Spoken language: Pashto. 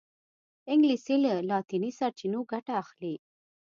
انګلیسي له لاطیني سرچینو ګټه اخلي